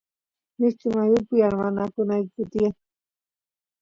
mishki mayupi armakunayku tiyan